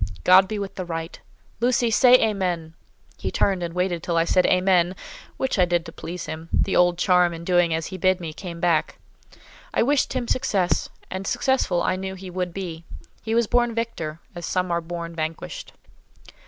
God be with the right. Lucy, say Amen!" He turned, and waited till I said "Amen!"—which I did to please him: the old charm, in doing as he bid me, came back. I wished him success; and successful I knew he would be. He was born victor, as some are born vanquished.